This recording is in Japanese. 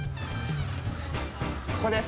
ここです。